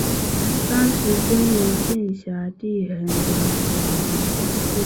当时真源县辖地很多土豪劣绅。